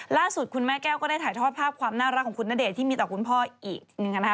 ล่าสุดคุณแม่แก้วก็ได้ถ่ายทอดภาพความน่ารักของคุณณเดชน์ที่มีต่อคุณพ่ออีกหนึ่งนะคะ